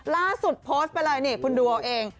ล่าสุดโพสต์เป็นอะไรนี่คุณดูเอาเอง